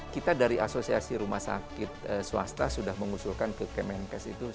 kita dari asosiasi rumah sakit swasta sudah mengusulkan ke kemenkes itu